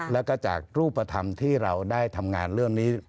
แล้วก็จากรูปธรรมที่เราได้ทำงานเรื่องนี้